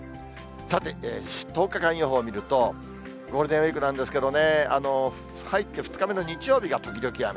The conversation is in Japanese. さて、１０日間予報見ると、ゴールデンウィークなんですけどね、入って２日目の日曜日が時々雨。